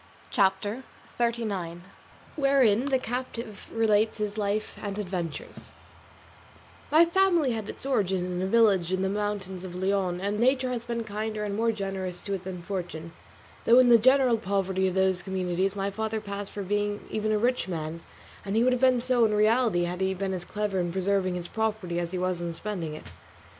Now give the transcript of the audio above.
CHAPTER XXXIX. WHEREIN THE CAPTIVE RELATES HIS LIFE AND ADVENTURES My family had its origin in a village in the mountains of Leon, and nature had been kinder and more generous to it than fortune; though in the general poverty of those communities my father passed for being even a rich man; and he would have been so in reality had he been as clever in preserving his property as he was in spending it.